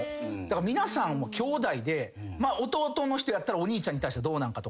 だから皆さんきょうだいで弟の人やったらお兄ちゃんに対してどうなんか。